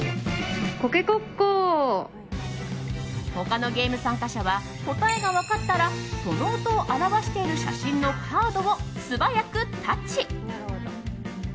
他のゲーム参加者は答えが分かったらその音を表している写真のカードを素早くタッチ。